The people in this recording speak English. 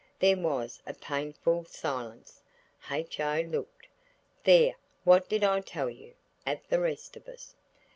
There was a painful silence. H.O. looked, "There, what did I tell you?" at the rest of us.